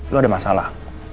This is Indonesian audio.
lo ada masalah